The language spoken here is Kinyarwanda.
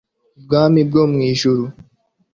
umwami bwo mu ijuru